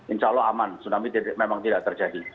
insya allah aman tsunami memang tidak terjadi